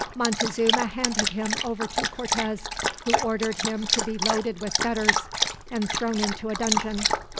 Montezuma handed him over to Cortez, who ordered him to be loaded with fetters and thrown into a dungeon.